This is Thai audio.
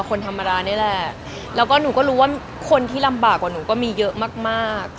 คนธรรมดานี่แหละแล้วก็หนูก็รู้ว่าคนที่ลำบากกว่าหนูก็มีเยอะมากมาก